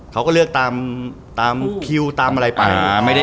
เท่าก็เลือกตามถ้าผิวตามอะไรมา